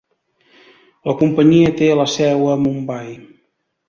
La companyia té la seu a Mumbai.